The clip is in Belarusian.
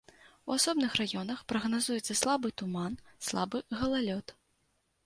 У асобных раёнах прагназуецца слабы туман, слабы галалёд.